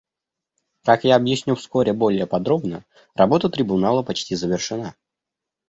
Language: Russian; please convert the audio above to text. Как я объясню вскоре более подробно, работа Трибунала почти завершена.